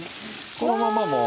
このままもう。